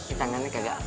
ini tangannya kagak